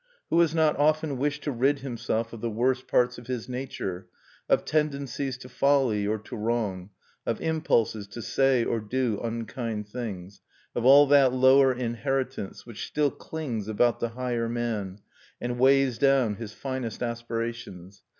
Who has not often wished to rid himself of the worse parts of his nature, of tendencies to folly or to wrong, of impulses to say or do unkind things, of all that lower inheritance which still clings about the higher man, and weighs down his finest aspirations?